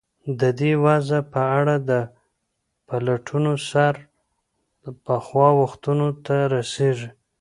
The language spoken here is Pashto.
د دې وضع په اړه د پلټنو سر د پخوا وختونو ته رسېږي.